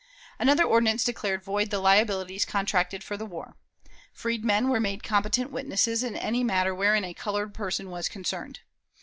Another ordinance declared void the liabilities contracted for the war. Freedmen were made competent witnesses in any matter wherein a colored person was concerned.